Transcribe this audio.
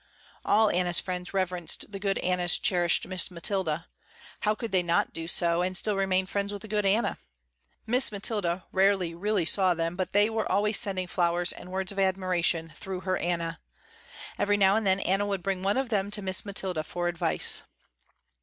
All Anna's friends reverenced the good Anna's cherished Miss Mathilda. How could they not do so and still remain friends with the good Anna? Miss Mathilda rarely really saw them but they were always sending flowers and words of admiration through her Anna. Every now and then Anna would bring one of them to Miss Mathilda for advice.